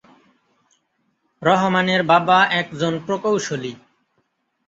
রহমানের বাবা একজন প্রকৌশলী।